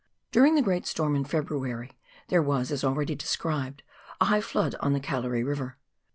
During the great storm in February, there was — as already described — a high flood on the Gallery E,iver.